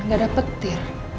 gak ada petir